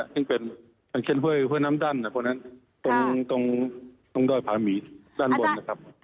ซึ่งเป็นอย่างเช่นเฮ้ยเฮ้ยน้ำดั้นตรงดอยผาหมีด้านบน